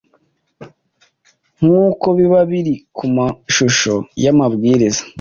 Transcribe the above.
nkuko biba biri ku mashusho y’amabwiriza